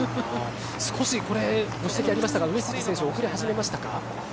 少しこれ、ご指摘ありましたが上杉選手、遅れ始めましたか？